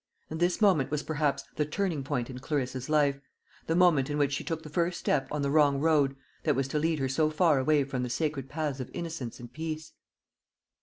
And this moment was perhaps the turning point in Clarissa's life the moment in which she took the first step on the wrong road that was to lead her so far away from the sacred paths of innocence and peace.